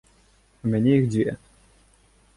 У мяне іх дзве.